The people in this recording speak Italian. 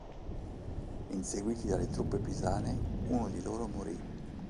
Inseguiti dalle truppe pisane, uno di loro morì.